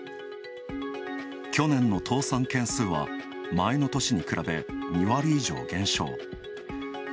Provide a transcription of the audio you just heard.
去年の倒産件数は、前の年に比べ２割以上減少。